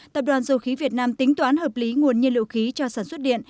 tập đoàn dầu khí việt nam tính toán hợp lý nguồn nhiên liệu khí cho sản xuất điện